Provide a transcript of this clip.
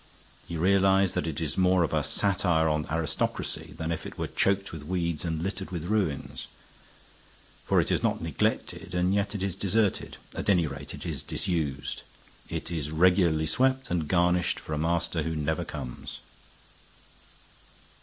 He realized that it is more of a satire on aristocracy than if it were choked with weeds and littered with ruins. For it is not neglected and yet it is deserted; at any rate, it is disused. It is regularly swept and garnished for a master who never comes.